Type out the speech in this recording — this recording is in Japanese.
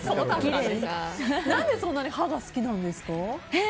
何でそんなに歯が好きなんですか？